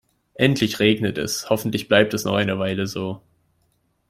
Endlich regnet es, hoffentlich bleibt es noch eine Weile so.